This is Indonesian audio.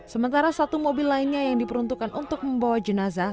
sementara satu mobil lainnya yang diperuntukkan untuk membawa jenazah